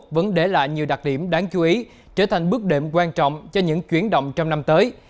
vẫn để lại nhiều đặc điểm đáng chú ý trở thành bước đệm quan trọng cho những chuyển động trong năm tới